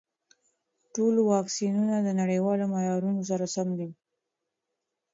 ټول واکسینونه د نړیوال معیارونو سره سم دي.